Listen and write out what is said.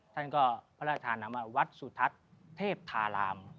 ท่านก็พระราชทานนำมาวัดสุทัศน์เทพธาราม